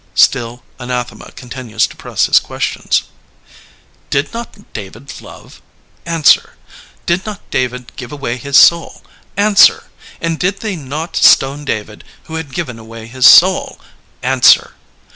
'* Still Anathema continues to press his questions. ''Did not David love! Answer. Did not David give away his soul! Answer. And did they not stone David who had given away his soul T Answer.